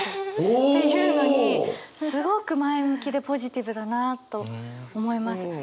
お！っていうのにすごく前向きでポジティブだなと思います。